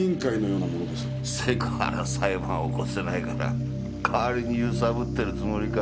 セクハラ裁判起こせないから代わりに揺さぶってるつもりか。